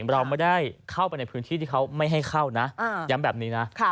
เราไม่ได้เข้าไปในพื้นที่ที่เขาไม่ให้เข้านะย้ำแบบนี้นะ